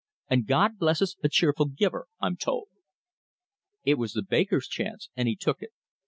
And God blesses a cheerful giver, I'm told." It was the baker's chance, and he took it.